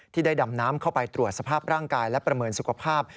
ได้ดำน้ำเข้าไปตรวจสภาพร่างกายและประเมินสุขภาพ